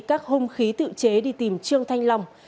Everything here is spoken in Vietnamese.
các hung khí tự chế đi tìm trương thanh long